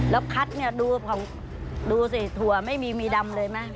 แล้วคัดเนี่ยดูสิถั่วไม่มีมีดำเลยมั้ย